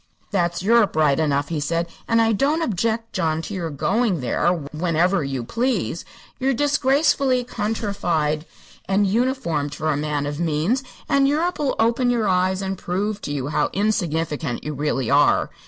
"That's Europe, right enough," he said. "And I don't object, John, to your going there whenever you please. You're disgracefully countryfied and uninformed for a man of means, and Europe'll open your eyes and prove to you how insignificant you really are.